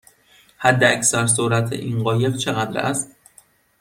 حداکثر سرعت این قایق چقدر است؟